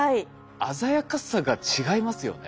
鮮やかさが違いますよね。